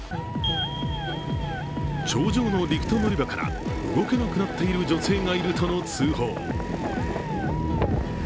頂上のリフト乗り場から動けなくなっている女性がいるとの通報。